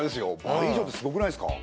倍以上ってすごくないですか。